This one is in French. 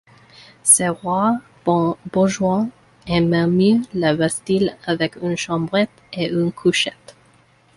Ce roi bon bourgeois aimait mieux la Bastille avec une chambrette et une couchette.